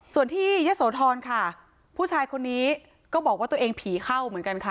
ส่วนที่ยะโสธรค่ะผู้ชายคนนี้ก็บอกว่าตัวเองผีเข้าเหมือนกันค่ะ